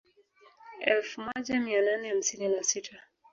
Elfu moja mia nane hamsini na sita